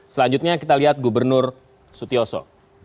selanjutnya kita lihat gubernur sutioso